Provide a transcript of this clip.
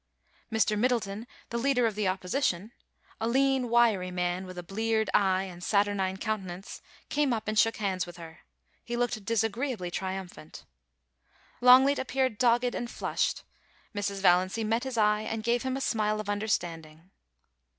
Mr. Middleton, the leader of the Opposition, a lean, wiry man, with a bleared eye and saturnine countenance, came up and shook hands with her. He looked disagreeably triumphant Longleat appeared dogged and flushed ; Mrs. Valiancy met his eye, and gave him a smile of understand ing.